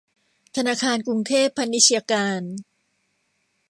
ธนาคารกรุงเทพพาณิชย์การ